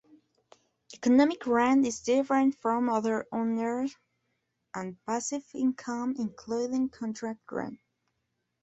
Economic rent is different from other unearned and passive income, including contract rent.